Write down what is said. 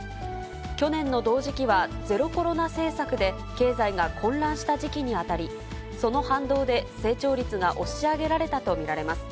去年の同時期はゼロコロナ政策で経済が混乱した時期に当たり、その反動で成長率が押し上げられたと見られます。